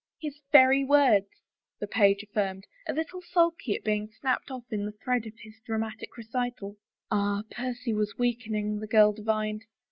" His very words," the page affirmed, a little sulky at being snapped off in the thread of his dramatic recital. Ah, Percy was weakening, the girl divined.